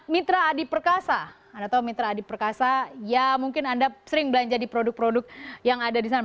mitra adi perkasa anda tahu mitra adi perkasa ya mungkin anda sering belanja di produk produk yang ada di sana